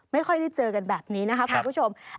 ไม่ค่อยได้เจอกันแบบนี้นะครับคุณผู้ชม